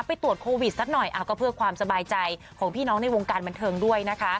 ไปตรวจโควิดสักหน่อยก็เพื่อความสบายใจของพี่น้องในวงการบันเทิงด้วยนะคะ